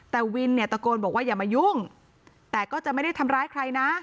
แต่วินเนี่ยตะโกนบอกว่าอย่ามายุ่งแต่ก็จะไม่ได้ทำร้ายใครนะ